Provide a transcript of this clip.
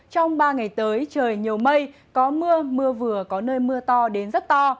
trong ba ngày tới trời nhiều mây có mưa mưa vừa có nơi mưa to đến rất to